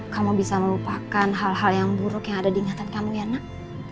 kamu bisa melupakan hal hal yang buruk yang ada diingatan kamu enak